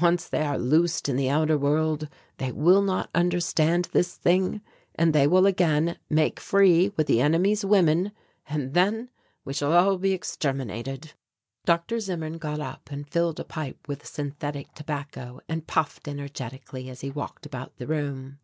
Once they are loosed in the outer world they will not understand this thing and they will again make free with the enemy's women, and then we shall all be exterminated." Dr. Zimmern got up and filled a pipe with synthetic tobacco and puffed energetically as he walked about the room.